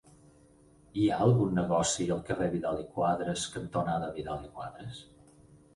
Hi ha algun negoci al carrer Vidal i Quadras cantonada Vidal i Quadras?